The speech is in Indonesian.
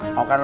mau kan lu